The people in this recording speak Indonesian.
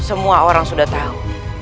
semua orang sudah tahu